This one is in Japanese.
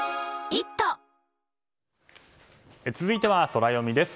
続いてはソラよみです。